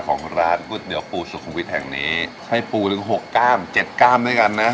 ของร้านก๋วยเตี๋ยวปูสุขุมวิทย์แห่งนี้ให้ปูถึง๖ก้ามเจ็ดก้ามด้วยกันนะ